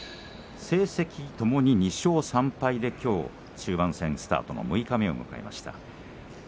成績は、ともに２勝３敗できょう中盤戦のスタート六日目を迎えました。